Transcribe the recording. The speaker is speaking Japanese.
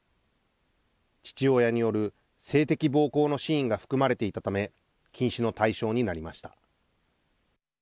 父親による性的暴行のシーンが含まれていたため禁止の対象になりました。